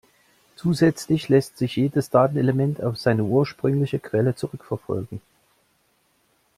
Zusätzlich lässt sich jedes Datenelement auf seine ursprüngliche Quelle zurückverfolgen.